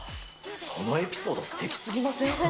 そのエピソード、すてきすぎません？